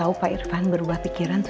oh udah sudah mau untuk ikutin